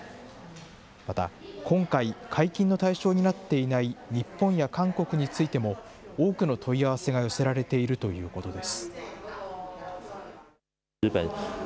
また、今回、解禁の対象になっていない日本や韓国についても、多くの問い合わせが寄せられているということです。